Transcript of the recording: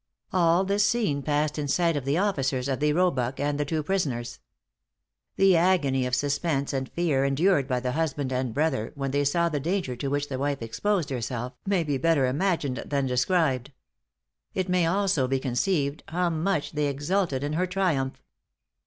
All this scene passed in sight of the officers of the "Roebuck" and the two prisoners. The agony of suspense and fear endured by the husband and brother, when they saw the danger to which the wife exposed herself, may be better imagined than described. It may also be conceived how much they exulted in her triumph.